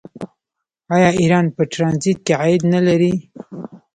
آیا ایران په ټرانزیټ کې عاید نلري؟